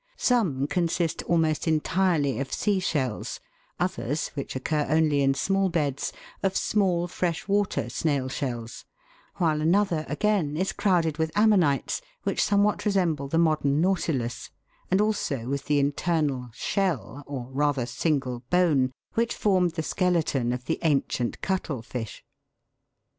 Some consist almost entirely of sea shells, others, which occur only in small beds, of small fresh water snail shells, while another, again, is crowded with ammonites, which somewhat resemble the modern nautilus, and also with the internal " shell," or, rather, single bone, which formed the skeleton of the ancient cuttle fish.